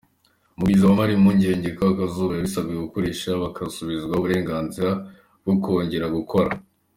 Mugwiza abamara impungenge ko abuzuza ibyo basabwe gukosora, bazasubizwa uburenganzira bwo kongera gukora.